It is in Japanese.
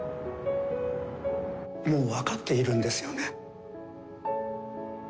もう分かっているんですよね？